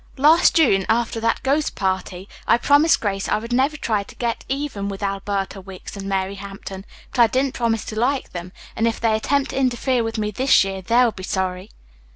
Last June, after that ghost party, I promised Grace I would never try to get even with Alberta Wicks and Mary Hampton, but I didn't promise to like them, and if they attempt to interfere with me this year, they'll be sorry."